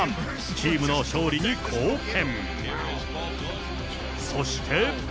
チームの勝利に貢献。